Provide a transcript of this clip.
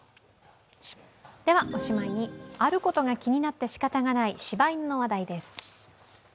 では、おしまいにあることが気になってしかたがないしば犬の話題です。